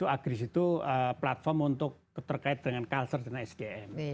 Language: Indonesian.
agris itu platform untuk terkait dengan culture dan sdm